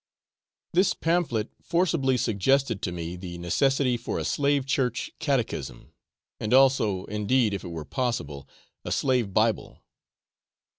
This pamphlet forcibly suggested to me the necessity for a slave church catechism, and also, indeed, if it were possible, a slave Bible.